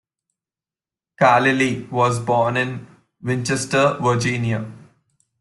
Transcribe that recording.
Carlile was born in Winchester, Virginia.